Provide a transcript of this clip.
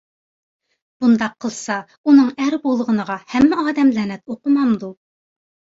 بۇنداق قىلسا ئۇنىڭ ئەر بولغىنىغا ھەممە ئادەم لەنەت ئوقۇمامدۇ؟